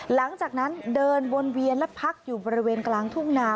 หลังจากนั้นเดินวนเวียนและพักอยู่บริเวณกลางทุ่งนา